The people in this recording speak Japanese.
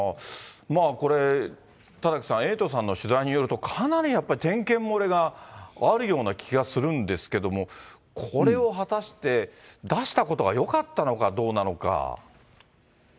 これ、田崎さん、エイトさんの取材によると、かなりやっぱり点検漏れがあるような気がするんですけども、これを果たして出したことがよかったのかどうなのか。